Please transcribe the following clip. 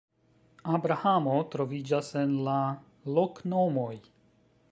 Abrahamo troviĝas en la loknomoj.